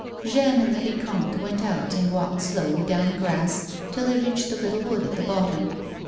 Jeanne and the vicomte went out and walked slowly down the grass till they reached the little wood at the bottom.